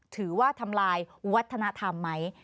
ถือว่าทำลายวัฒนธรรมไหม